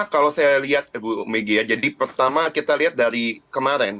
kalau saya lihat jadi pertama kita lihat dari kemarin